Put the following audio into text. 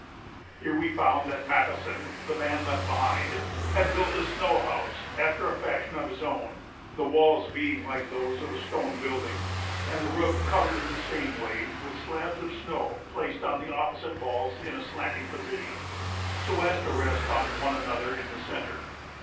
Here we found that Matheson, the man left behind, had built a snow house after a fashion of his own, the walls being like those of a stone building, and the roof covered in the same way with slabs of snow placed on the opposite walls in a slanting position, so as to rest on one another in the centre.